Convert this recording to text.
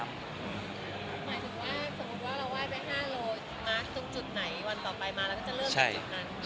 หมายถึงว่าสมมุติว่าเราไห้ไป๕โลมาตรงจุดไหนวันต่อไปมาเราก็จะเริ่มตรงจุดนั้น